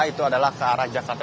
itu adalah ke arah jakarta